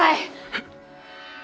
えっ。